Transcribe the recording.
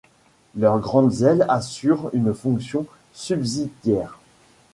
Leurs grandes ailes assurent une fonction subsidiaire.